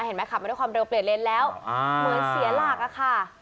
เห็นไหมขับมาด้วยความเร็วเปลี่ยนเลนแล้วเหมือนเสียหลักอะค่ะ